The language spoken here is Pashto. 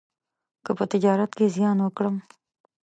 که په تجارت کې زیان وکړم،